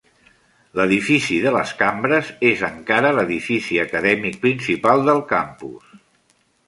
L'Edifici de les Cambres és encara l'edifici acadèmic principal del campus.